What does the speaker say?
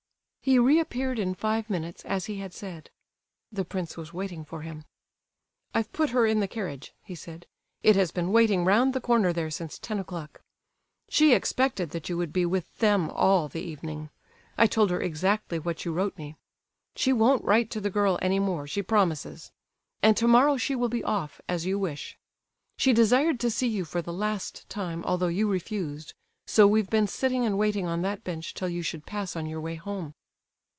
He reappeared in five minutes as he had said. The prince was waiting for him. "I've put her in the carriage," he said; "it has been waiting round the corner there since ten o'clock. She expected that you would be with them all the evening. I told her exactly what you wrote me. She won't write to the girl any more, she promises; and tomorrow she will be off, as you wish. She desired to see you for the last time, although you refused, so we've been sitting and waiting on that bench till you should pass on your way home."